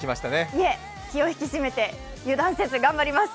いえ、気を引き締めて油断せず頑張ります。